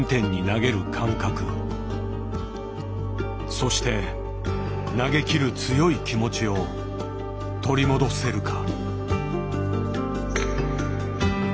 そして投げきる強い気持ちを取り戻せるか。